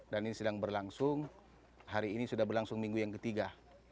dan ini sedang berlangsung hari ini sudah berlangsung minggu yang ketiga